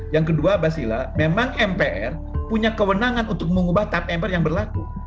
yang kedua basila memang mpr punya kewenangan untuk mengubah tap mpr yang berlaku